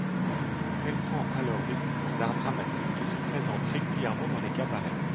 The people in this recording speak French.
Elle prend alors des cours d'art dramatique et se présente régulièrement dans les cabarets.